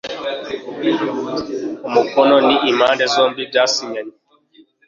umukono n impande zombi byasinyanye